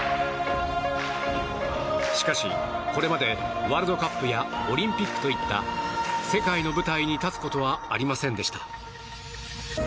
しかし、これまでワールドカップやオリンピックといった世界の舞台に立つことはありませんでした。